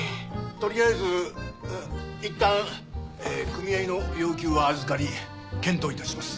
とりあえずいったん組合の要求は預かり検討いたします！